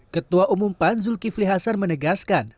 ketua umum pan zulkifli hasan menegaskan